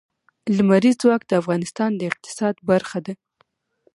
لمریز ځواک د افغانستان د اقتصاد برخه ده.